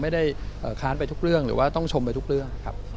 ไม่ได้ค้านไปทุกเรื่องหรือว่าต้องชมไปทุกเรื่องครับ